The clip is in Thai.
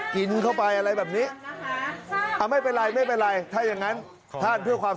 กินเข้าไปอะไรแบบนี้ไม่ป็นไรไม่เป็นไรถ้าอย่างนั้นท่านเพื่อความส่วนบาดของทั้งตำรวจ